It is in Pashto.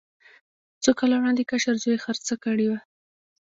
څو کاله وړاندې کشر زوی یې خرڅه کړې وه.